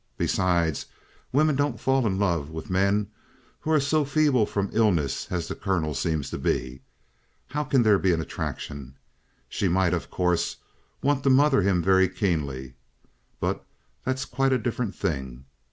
"Besides, women don't fall in love with men who are so feeble from illness as the Colonel seems to be. How can there be the attraction? She might, of course, want to mother him very keenly. But that's quite a different thing."